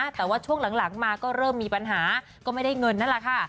แต่ว่าช่วงหลังมาก็เริ่มมีปัญหาก็ไม่ได้เงินนั่นแหละค่ะ